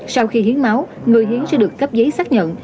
sau khi hiến máu người hiến sẽ được cấp giấy xác nhận